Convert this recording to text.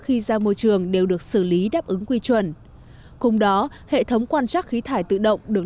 khi ra môi trường đều được xử lý đáp ứng quy chuẩn cùng đó hệ thống quan trắc khí thải tự động được